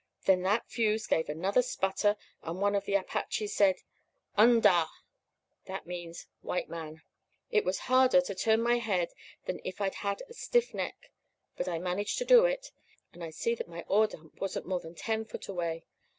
"Then that fuse gave another sputter and one of the Apaches said, 'Un dah.' That means 'white man.' It was harder to turn my head than if I'd had a stiff neck; but I managed to do it, and I see that my ore dump wasn't more than ten foot away.